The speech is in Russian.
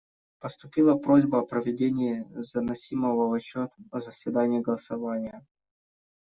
Поступила просьба о проведении заносимого в отчет о заседании голосования.